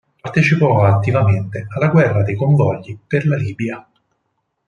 Partecipò attivamente alla guerra dei convogli per la Libia.